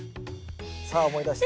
さあ思い出して。